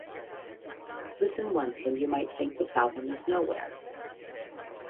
Listen once and you might think this album is nowhere.